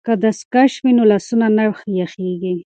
که دستکش وي نو لاسونه نه یخیږي.